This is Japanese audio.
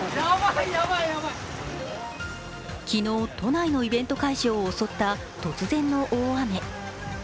昨日、都内のイベント会場を襲った突然の大雨。